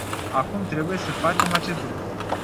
Acum trebuie să facem acest lucru.